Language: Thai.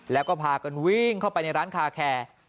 แล้วก็พากันวิ่งเข้าไปในร้านคาแคร์